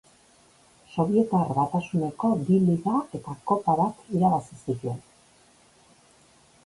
Sobietar Batasuneko bi liga eta kopa bat irabazi zituen.